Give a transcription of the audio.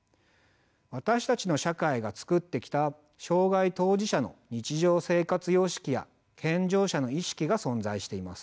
私たちの社会がつくってきた障害当事者の日常生活様式や健常者の意識が存在しています。